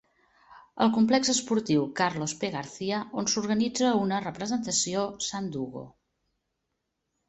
El complex esportiu Carlos P. Garcia on s'organitza una representació Sandugo.